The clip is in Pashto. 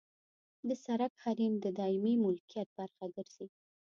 د سرک حریم د دایمي ملکیت برخه ګرځي